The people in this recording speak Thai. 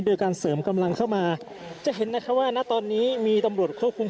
โดยการเสริมกำลังเข้ามาจะเห็นนะคะว่าณตอนนี้มีตำรวจควบคุม